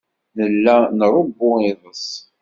Nella nṛewwu iḍes.